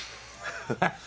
ハハハ。